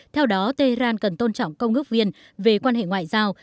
theo đó tehran cần tôn trọng công ước viên về quan hệ ngoại giao